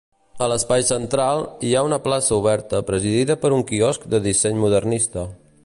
A l'espai central, hi ha una plaça oberta presidida per un quiosc de disseny modernista.